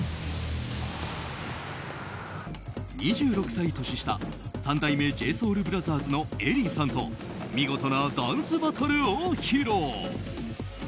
２６歳年下、三代目ＪＳＯＵＬＢＲＯＴＨＥＲＳのＥＬＬＹさんと見事なダンスバトルを披露。